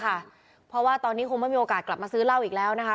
เพราะว่าตอนนี้คงไม่มีโอกาสกลับมาซื้อเหล้าอีกแล้วนะคะ